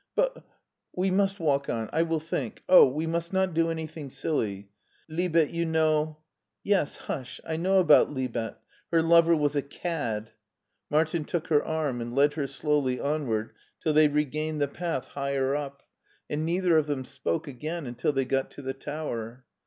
"But We must walk on. I will think! Oh, we must not do anything silly. Libet, you know ^"" Yes, hush ; I know about Libet — her lover was a cad." Martin took her arm and led her slowly on ward till they regained the path higher up, and neither 50 MARTIN SCHULER of them spoke again until they got to the tower.